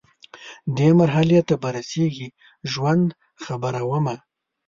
دې مرحلې ته به رسیږي ژوند، خبره ومه